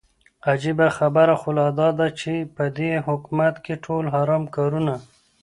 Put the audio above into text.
عجيبه خبره خو لا داده چې په دې حكومت كې ټول حرام كارونه